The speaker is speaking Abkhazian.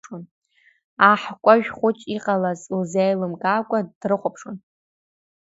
Аҳкәажә хәыҷ, иҟалаз лзеилымкаакәа дрыхәаԥшуан.